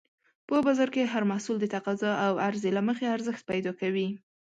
په بازار کې هر محصول د تقاضا او عرضې له مخې ارزښت پیدا کوي.